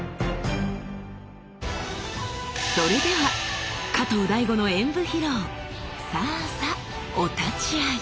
それでは加藤大悟の演武披露さあさお立ちあい。